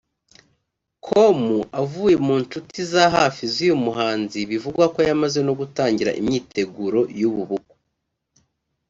com avuye mu nshuti za hafi z’uyu muhanzi bivugwa ko yamaze no gutangira imyiteguro y’ubu bukwe